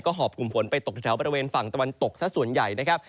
หอบกลุ่มฝนไปตกแถวบริเวณฝั่งตะวันตกซะส่วนใหญ่นะครับ